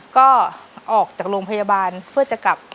ก็ออกจากโรงพยาบาลเพื่อจะกลับ